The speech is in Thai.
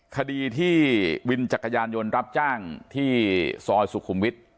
คดีที่วินจักรยานยนต์รับจ้างที่ซอยสุขุมวิทย์